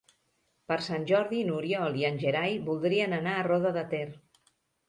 Per Sant Jordi n'Oriol i en Gerai voldrien anar a Roda de Ter.